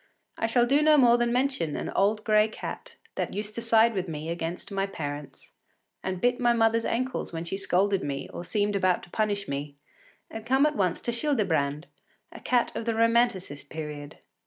I shall do no more than mention an old gray cat that used to side with me against my parents, and bit my mother’s ankles when she scolded me or seemed about to punish me, and come at once to Childebrand, a cat of the Romanticist period.